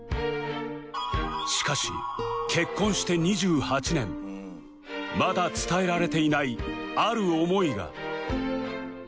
しかし結婚して２８年まだ伝えられていないある思いが